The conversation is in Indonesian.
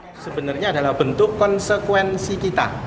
itu sebenarnya adalah bentuk konsekuensi kita